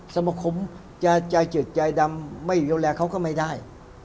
สมคมจะจ่ายจืดจ่ายดำไม่อยู่แย้วแรกเขาก็ไม่ได้